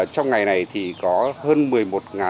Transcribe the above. trong ngày này thì có hơn một đồng